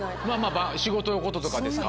仕事のこととかですか？